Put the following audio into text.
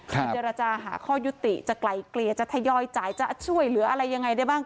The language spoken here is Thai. เจรจาหาข้อยุติจะไกลเกลี่ยจะทยอยจ่ายจะช่วยเหลืออะไรยังไงได้บ้าง